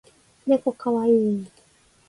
ねこかわいい